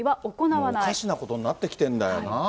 おかしなことになってきてんだよな。